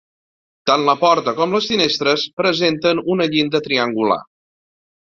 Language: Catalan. Tant la porta com les finestres presenten una llinda triangular.